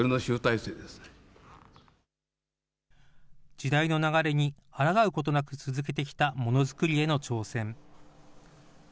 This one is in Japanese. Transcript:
時代の流れにあらがうことなく続けてきたものづくりへの挑戦。